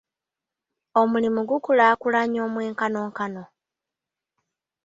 Omulimu gukulaakulanya omwenkanonkano?